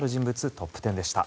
トップ１０でした。